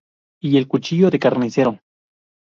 Y el cuchillo de carnicero.